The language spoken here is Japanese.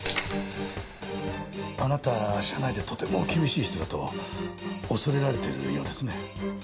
あなたは社内でとても厳しい人だと恐れられているようですね。